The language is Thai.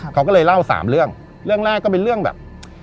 เขาก็เลยเล่าสามเรื่องเรื่องแรกก็เป็นเรื่องแบบ